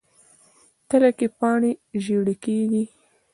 تله کې پاڼې ژیړي کیږي.